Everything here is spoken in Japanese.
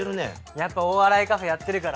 やっぱお笑いカフェやってるから！